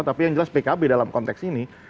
tapi yang jelas pkb dalam konteks ini